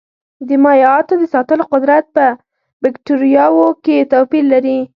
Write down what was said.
د مایعاتو د ساتلو قدرت په بکټریاوو کې توپیر لري.